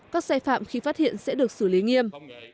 các xe phạm khi phát hiện sẽ được xử lý nghiêm